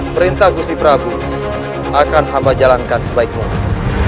perintah gusti prabu akan hamba jalankan sebaik mungkin